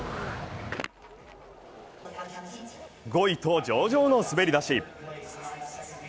５位と、上々の滑り出し。